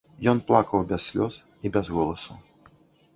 Ён плакаў без слёз і без голасу.